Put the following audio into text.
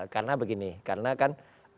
karena begini karena kan